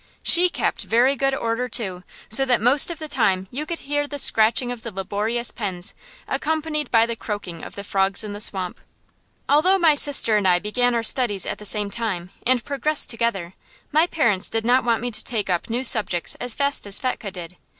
She kept very good order, too, so that most of the time you could hear the scratching of the laborious pens accompanied by the croaking of the frogs in the swamp. Although my sister and I began our studies at the same time, and progressed together, my parents did not want me to take up new subjects as fast as Fetchke did.